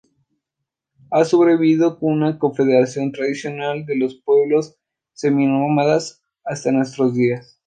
Ha sobrevivido como una confederación tradicional de los pueblos seminómadas hasta nuestros días.